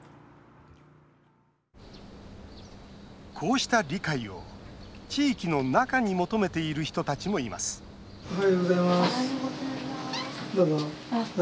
こうした理解を地域の中に求めている人たちもいますおはようございます。